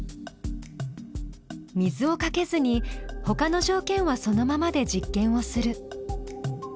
水をかけずにほかの条件はそのままで実験をする。